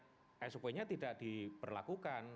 standar sop nya tidak diperlakukan